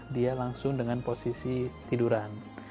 dia langsung dengan posisi tiduran